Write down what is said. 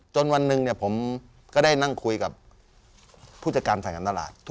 วันหนึ่งผมก็ได้นั่งคุยกับผู้จัดการฝ่ายการตลาด